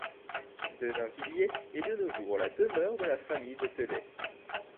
Denainvilliers est de nos jours la demeure de la famille de Pelet.